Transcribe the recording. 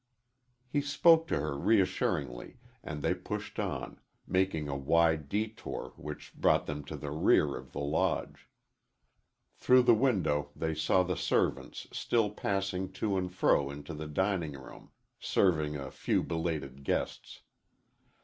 He spoke to her reassuringly, and they pushed on, making a wide detour which brought them to the rear of the Lodge. Through the window they saw the servants still passing to and fro into the dining room serving a few belated guests.